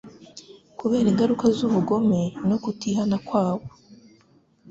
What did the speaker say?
kubera ingaruka z'ubugome no kutihana kwabo.